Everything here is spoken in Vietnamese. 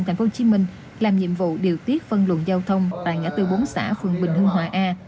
tp hcm làm nhiệm vụ điều tiết phân luận giao thông tại ngã tư bốn xã phường bình hưng hòa a